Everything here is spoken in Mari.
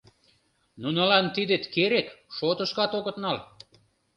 Нунылан тидет керек — шотышкат огыт нал.